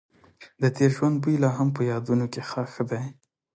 د تېر ژوند بوی لا هم په یادونو کې ښخ دی.